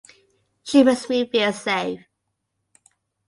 She makes me feel safe.